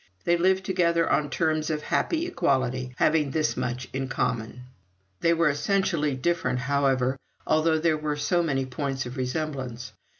They lived together on terms of happy equality, having thus much in common. They were essentially different, however, although there were so many points of resemblance.